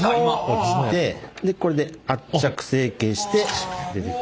落ちてでこれで圧着成形して出てくる。